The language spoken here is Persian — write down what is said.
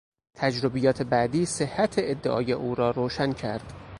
تجربیات بعدی، صحت ادعای او را روشن کرد.